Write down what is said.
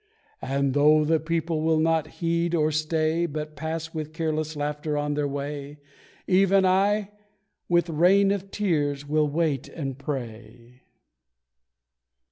"And though the people will not heed or stay, But pass with careless laughter on their way, Even I, with rain of tears, will wait and pray."